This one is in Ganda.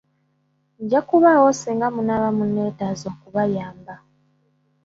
Nja kubaawo singa munaaba munneetaaze okubayamba.